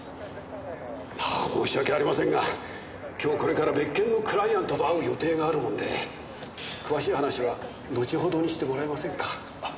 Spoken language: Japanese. ああ申し訳ありませんが今日これから別件のクライアントと会う予定があるもんで詳しい話は後ほどにしてもらえませんか。